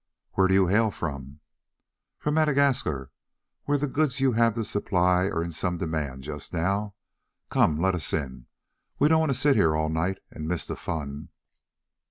"Where do you hail from?" "From Madagascar, where the goods you have to supply are in some demand just now. Come, let us in; we don't want to sit here all night and miss the fun."